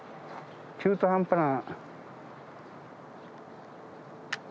中途半端な。